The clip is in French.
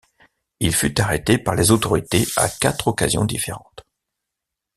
Il fut arrêté par les autorités à quatre occasions différentes.